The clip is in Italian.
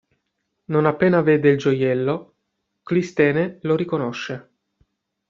Non appena vede il gioiello, Clistene lo riconosce.